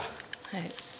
はい。